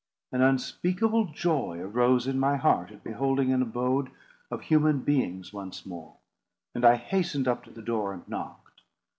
An unspeakable joy arose in my heart at beholding an abode of human beings once more, and I hastened up to the door, and knocked.